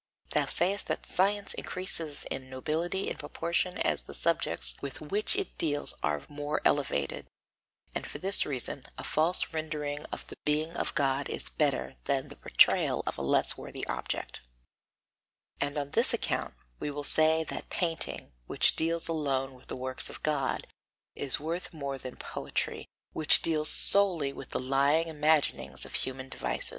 Thou sayest that science increases in nobility in proportion as the subjects with which it deals are more elevated, and, for this reason, a false rendering of the being of God is better than the portrayal of a less worthy object; and on this account we will say that painting, which deals alone with the works of God, is worth more than poetry, which deals solely with the lying imaginings of human devices.